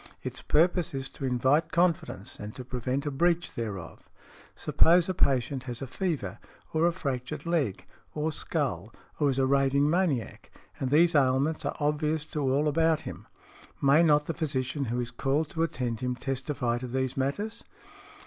Its purpose is to invite confidence and to prevent a breach thereof. Suppose a patient has a fever, or a fractured leg or skull, or is a raving maniac, and these ailments are obvious to all about him, may not the physician who is called to attend him testify to these matters?"